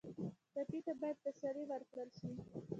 ټپي ته باید تسلي ورکړل شي.